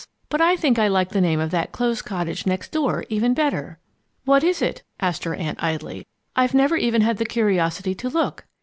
But I think I like the name of that closed cottage next door even better." "What is it?" asked her aunt, idly. "I've never even had the curiosity to look."